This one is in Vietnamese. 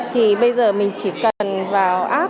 thì bây giờ mình chỉ cần vào app